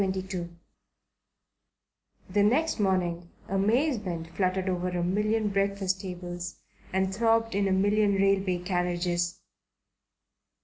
CHAPTER XXII THE next morning amazement fluttered over a million breakfast tables and throbbed in a million railway carriages.